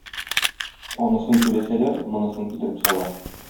Анысын түләсәләр, монысын китереп сала.